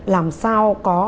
làm sao có